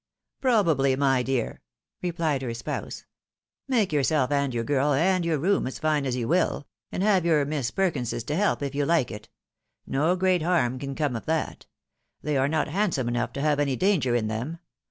" Probably, my dear," replied her spouse. " Make yourself and your girl, and your room, as fine as you will ; and have your Miss Perkinses to help, if you like it. No great harm can come of that. They are not handsome enough to have any danger in them.